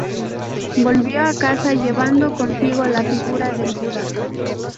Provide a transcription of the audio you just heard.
Volvió a casa llevando consigo la figura del Buda.